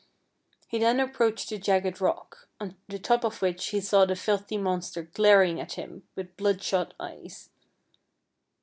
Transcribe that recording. He then approached the jagged rock, on the top of which he saw the filthy monster glaring at him with bloodshot eyes.